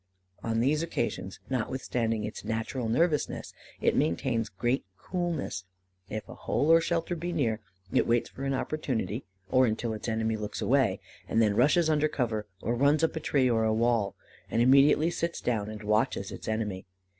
On these occasions, notwithstanding its natural nervousness, it maintains great coolness. If a hole or shelter be near, it waits for an opportunity, or until its enemy looks away, and then rushes under cover, or runs up a tree or a wall, and immediately sits down and watches its enemy.